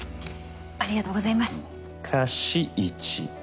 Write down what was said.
ありがとうございます貸し１。